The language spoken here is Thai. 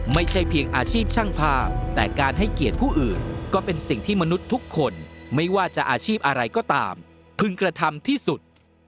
ไม่ใช่เพียงอาชีพช่างภาพแต่การให้เกียรติผู้อื่นก็เป็นสิ่งที่มนุษย์ทุกคนไม่ว่าจะอาชีพอะไรก็ตามพึงกระทำที่สุด